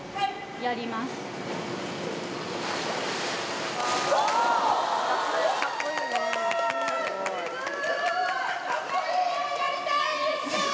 やりたーい！